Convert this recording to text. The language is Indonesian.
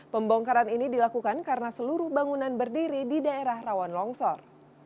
pembongkaran ini dilakukan karena seluruh bangunan berdiri di daerah rawan longsor